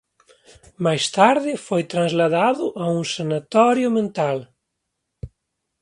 Máis tarde foi trasladado a un sanatorio mental.